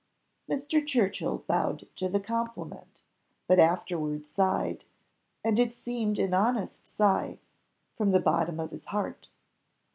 Mr. Churchill bowed to the compliment, but afterwards sighed, and it seemed an honest sigh, from the bottom of his heart.